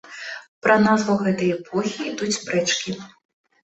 Пра назву гэтай эпохі ідуць спрэчкі.